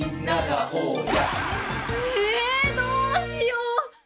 ええどうしよう！